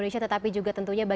misnya ada dimana